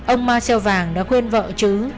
ông ma xeo vàng đã khuyên vợ chứ